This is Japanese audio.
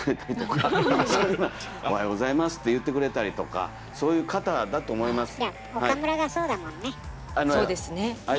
そういう、おはようございますとか言ってくれたりとかそういう方だと思います。